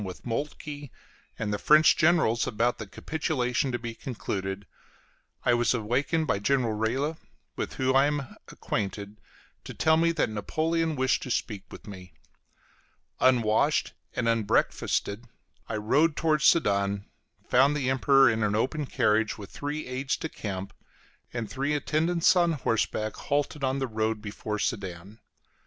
with Moltke and the French generals about the capitulation to be concluded, I was awakened by General Reille, with whom I am acquainted, to tell me that Napoleon wished to speak with me. Unwashed and unbreakfasted, I rode towards Sedan, found the Emperor in an open carriage, with three aides de camp and three in attendance on horseback, halted on the road before Sedan.